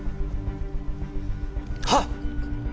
はっ。